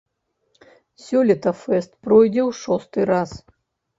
Сёлета фэст пройдзе ў шосты раз.